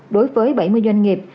đối với bảy mươi doanh nghiệp